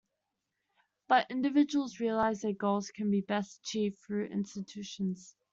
But, individuals realize their goals can be best achieved through institutions.